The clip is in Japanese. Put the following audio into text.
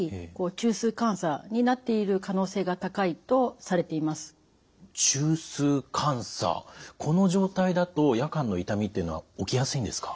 中枢感作この状態だと夜間の痛みっていうのは起きやすいんですか？